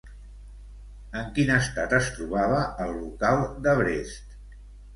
En quin estat es trobava el local de Brest?